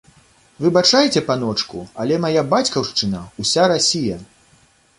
Выбачайце, паночку, але мая бацькаўшчына — уся Расія.